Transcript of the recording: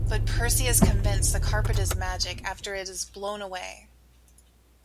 But Percy is convinced the carpet is magic after it is blown away.